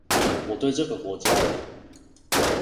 我對這個國家